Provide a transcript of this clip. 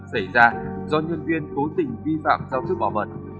xảy ra do nhân viên cố tình vi phạm giao thức bảo mật